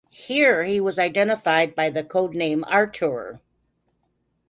Here he was identified by the code name "Artur".